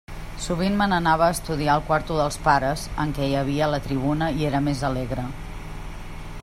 Sovint me n'anava a estudiar al quarto dels pares, en què hi havia la tribuna i era més alegre.